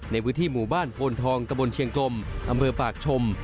ในพื้นที่หมู่บ้านโพนทองตะบนเชียงกลมอำเภอปากชม